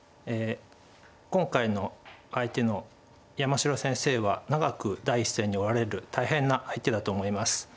今回の相手の山城先生は長く第一線におられる大変な相手だと思います。